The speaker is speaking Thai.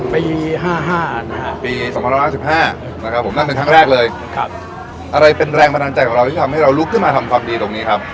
ปี๕๕นะฮะปี๒๕๕นะครับผมนั่นเป็นครั้งแรกเลยอะไรเป็นแรงบันดาลใจของเราที่ทำให้เราลุกขึ้นมาทำความดีตรงนี้ครับ